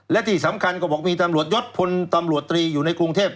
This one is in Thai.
และที่สำคัญก็บอกมีตำรวจยศพลตำรวจตรีอยู่ในกรุงเทพ